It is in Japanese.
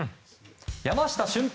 山下舜平